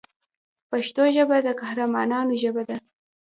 پښتو ژبه د قهرمانانو ژبه ده.